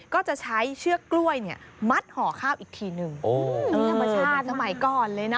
ก็จะใช้เชือกกล้วยเนี่ยมัดห่อข้าวอีกทีหนึ่งโอ้ธรรมชาติสมัยก่อนเลยนะ